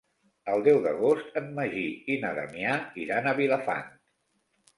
El deu d'agost en Magí i na Damià iran a Vilafant.